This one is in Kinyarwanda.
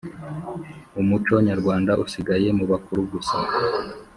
umuco nyarwanda usigaye mu bakuru gusa